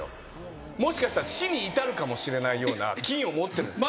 もしかしたら死に至るかもしれないような菌を持ってるんです。